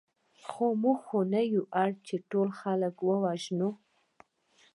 خو موږ نه یو اړ چې ټول خلک ووژنو